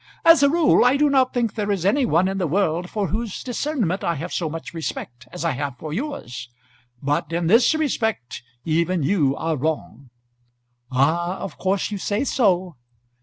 "As a rule I do not think there is any one in the world for whose discernment I have so much respect as I have for yours. But in this respect even you are wrong." "Ah, of course you say so."